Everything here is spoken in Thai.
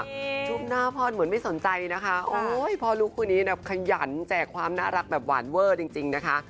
รูปหน้าพ่อเหมือนไม่สนใจนะคะพอลูกคนนี้ขยันแจกความน่ารักแบบหวานเวอร์จริงนะคะ